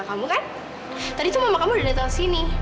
padahal kamu juga mampu sedikit